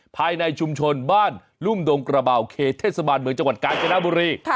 ภายในชุมชนบ้านรุ่มดงกระเบาเขตเทศบาลเมืองจังหวัดกาญจนบุรี